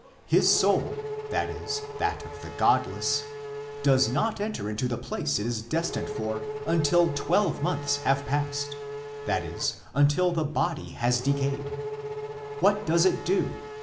His soul [i.e. that of the godless] does not enter into the place it is destined for until twelve months have passed, that is until the body has decayed. What does it do